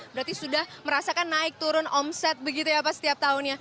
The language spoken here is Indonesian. berarti sudah merasakan naik turun omset begitu ya pak setiap tahunnya